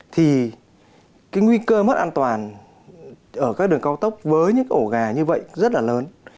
thì cái nguy cơ mất an toàn ở các đường cao tốc với những ổ gà như vậy rất là lớn